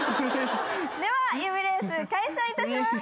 では指レース開催いたします。